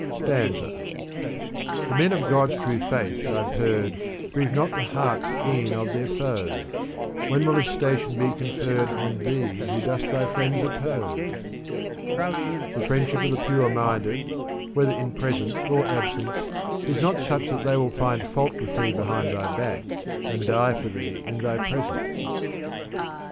Stanza, The men of God's true fiaith, I've heard, Grieve not the hearts e'en of their foes. When will this station be conferred On thee who dost thy friends oppose? The friendship of the pure minded, whether in pres ence or absence, is not such that they will find fault with thee behind thy back, and die for thee in thy presence.